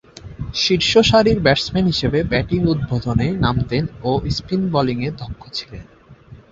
শীর্ষসারির batsman হিসেবে batting উদ্বোধনে নামতেন ও স্পিন বোলিংয়ে দক্ষ ছিলেন।